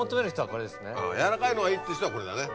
柔らかいのがいいって人はこれだね。